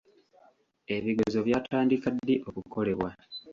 Ebigezo byatandika ddi okukolebwa?